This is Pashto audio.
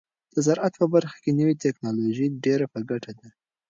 د زراعت په برخه کې نوې ټیکنالوژي ډیره په ګټه ده.